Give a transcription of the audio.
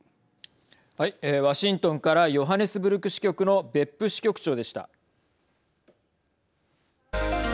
ワシントンからヨハネスブルク支局の別府支局長でした。